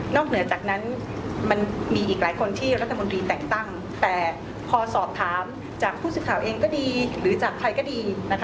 เหนือจากนั้นมันมีอีกหลายคนที่รัฐมนตรีแต่งตั้งแต่พอสอบถามจากผู้สื่อข่าวเองก็ดีหรือจากใครก็ดี